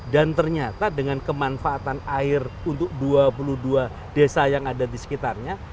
dan ternyata dengan kemanfaatan air untuk dua puluh dua desa yang ada di sekitarnya